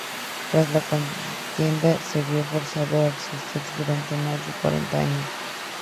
Tras la contienda se vio forzado a exiliarse durante más de cuarenta años.